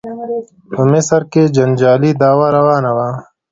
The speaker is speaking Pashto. په مصر کې جنجالي دعوا روانه وه.